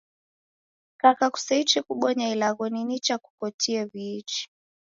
Kaka kuseichi kubonya ilagho, ni nicha kukotie w'iichi